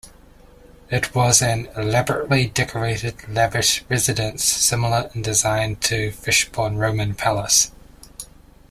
It was an elabotrately decorated lavish residence similar in design to Fishbourne Roman Palace.